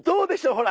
ほら！